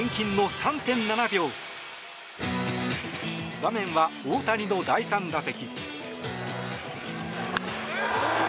場面は大谷の第３打席。